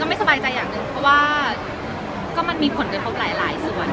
ไม่สบายใจอย่างหนึ่งเพราะว่าก็มันมีผลกระทบหลายส่วน